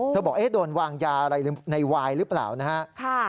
เธอบอกโดนวางยาอะไรในวายรึเปล่านะครับ